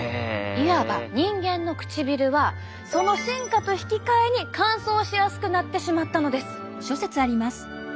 いわば人間の唇はその進化と引き換えに乾燥しやすくなってしまったのです。